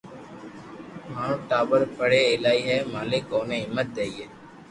مارو ٽاٻر پڙي ايلائي ھي مالڪ اوني ھمت ديئي